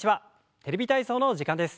「テレビ体操」の時間です。